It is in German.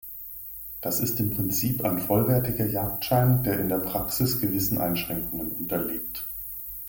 Das ist ein im Prinzip vollwertiger Jagdschein, der in der Praxis gewissen Einschränkungen unterliegt.